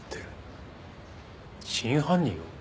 真犯人を？